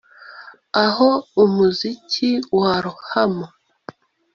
aho umuziki warohama